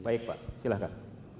baik pak silakan